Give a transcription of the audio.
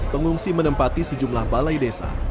pengungsi menempati sejumlah balai desa